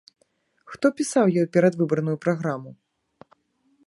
Хто пісаў ёй перадвыбарную праграму?